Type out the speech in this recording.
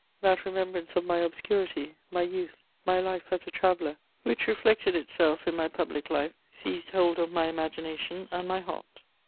That remembrance of my obscurity, my youth, my life as a traveller, which reflected itself in my public life, seized hold of my imagination and my heart.